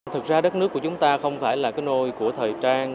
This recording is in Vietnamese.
thực ra đất nước của chúng ta không phải là cái nồi của thời trang